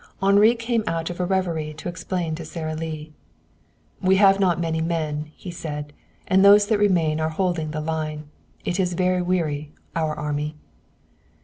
Henri came out of a reverie to explain to Sara Lee. "We have not many men," he said. "And those that remain are holding the line. It is very weary, our army."